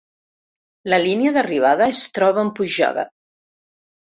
La línia d'arribada es troba en pujada.